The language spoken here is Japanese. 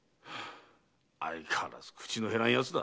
相変わらず口のへらん奴だ。